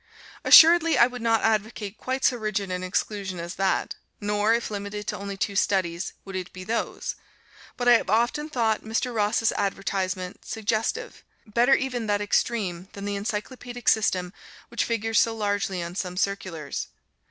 Assuredly I would not advocate quite so rigid an exclusion as that, nor, if limited to only two studies, would it be those. But I have often thought Mr. Ross's advertisement suggestive. Better even that extreme than the encyclopædic system which figures so largely on some circulars.